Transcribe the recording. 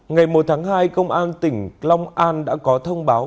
ngày một tháng hai công an tỉnh long an đã có thông báo